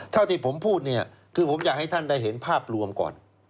เท่าที่ผมพูดเนี่ยคือผมอยากให้ท่านได้เห็นภาพรวมก่อน